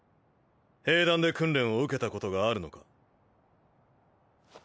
兵団で訓練を受けたことがあるのか？